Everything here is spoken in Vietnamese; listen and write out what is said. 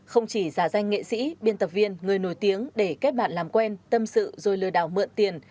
không chỉ giả danh nghệ sĩ biên tập viên người nổi tiếng để kết bạn làm quen tâm sự rồi lừa đảo mượn tiền